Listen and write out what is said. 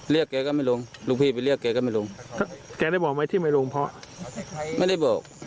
แกก็ไม่ลงลูกพี่ไปเรียกแกก็ไม่ลงแกได้บอกไหมที่ไม่ลงเพราะไม่ได้บอก